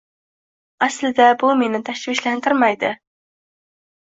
aslida bu meni tashvishlantirmaydi.